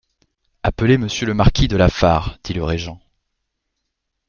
Appelez monsieur le marquis de Lafare, dit le régent.